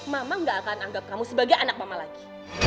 mama gak akan anggap kamu sebagai anak mama lagi